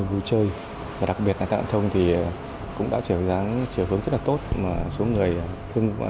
lực lượng cảnh sát giao thông chủ yếu xảy ra trên đường bộ